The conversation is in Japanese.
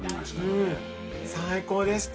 最高でした。